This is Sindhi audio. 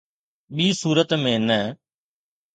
”ٻي صورت ۾ نه.